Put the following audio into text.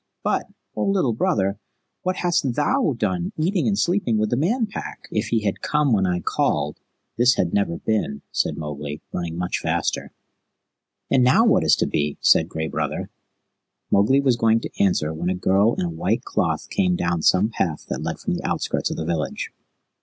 But, O Little Brother, what hast THOU done, eating and sleeping with the Man Pack?" "If ye had come when I called, this had never been," said Mowgli, running much faster. "And now what is to be?" said Gray Brother. Mowgli was going to answer when a girl in a white cloth came down some path that led from the outskirts of the village.